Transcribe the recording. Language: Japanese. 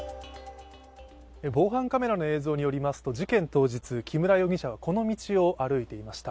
防犯カメラの映像によりますと事件当日、木村容疑者はこの道を歩いていました。